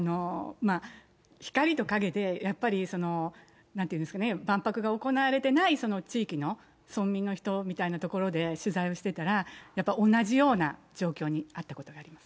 光と影で、やっぱり、なんていうんですかね、万博が行われてない地域の村民の人みたいなところで取材をしてたら、やっぱり同じような状況にあったことがあります。